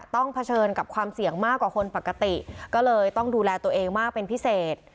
เผชิญกับความเสี่ยงมากกว่าคนปกติก็เลยต้องดูแลตัวเองมากเป็นพิเศษ